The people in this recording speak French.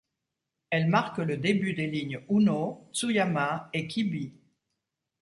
Elle marque le début des lignes Uno, Tsuyama et Kibi.